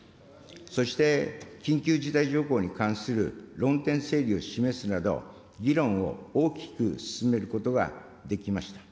そして緊急事態条項に関する論点整理を示すなど、議論を大きく進めることができました。